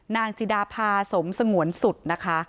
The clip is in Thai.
นางจิดาพาสมสงวนสุดนะคะ